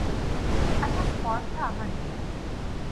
এত স্পর্ধা আমার নেই।